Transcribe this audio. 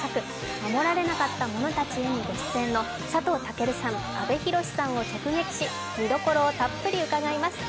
「護られなかった者たちへ」のご出演の佐藤健さん、阿部寛さんを直撃し、見どころをたっぷり伺います。